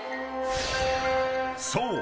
［そう。